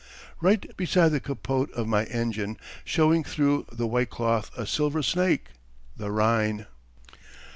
Right beside the capote of my engine, showing through the white cloth a silver snake the Rhine!